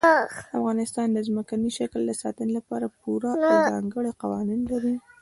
افغانستان د ځمکني شکل د ساتنې لپاره پوره او ځانګړي قوانین لري.